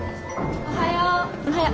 おはよう。